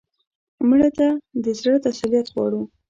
مړه ته د زړه تسلیت غواړو